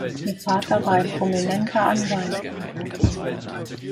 Ihr Vater war ein prominenter Anwalt.